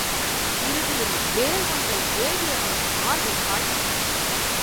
இறுதியில் வேல் ஒன்றை ஏவி அவன் மார்பில் பாய்ச்சினான்.